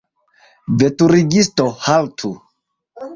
Veturigisto, haltu!